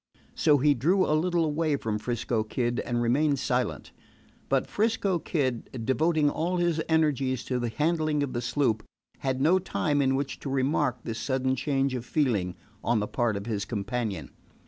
So he drew a little away from 'Frisco Kid and remained silent. But 'Frisco Kid, devoting all his energies to the handling of the sloop, had no time in which to remark this sudden change of feeling on the part of his companion.